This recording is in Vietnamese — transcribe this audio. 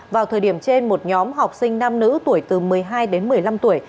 vào thời điểm trên một nhóm học sinh nam nữ tuổi từ một mươi hai đến một mươi năm tuổi